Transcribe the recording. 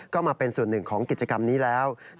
ก็มาเป็นส่วนหนึ่งของกิจกรรมนี้แล้ว